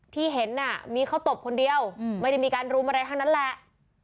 ที่เห็นน่ะมีเขาตบคนเดียวไม่ได้มีการรุมอะไรทั้งนั้นแหละ